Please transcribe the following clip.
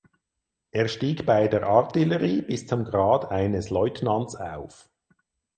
Er stieg bei der Artillerie bis zum Grad eines Leutnants auf.